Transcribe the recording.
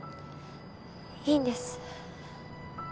いいんです。